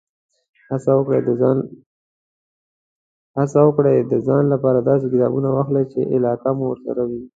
هڅه وکړئ، د ځان لپاره داسې کتابونه واخلئ، چې علاقه مو ورسره وي.